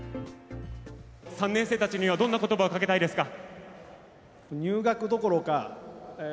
３年生たちにはどんな言葉をかけたいですか。